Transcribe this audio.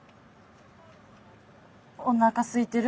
おなかすいてる？